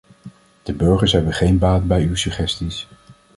De burgers hebben geen baat bij uw suggesties.